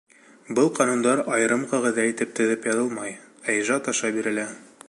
Был ҡанундар айырым ҡағиҙә итеп теҙеп яҙылмай, ә ижад аша бирелә.